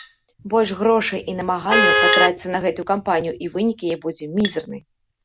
Больш грошай і намаганняў патраціцца на гэтую кампанію, і вынік яе будзе мізэрны.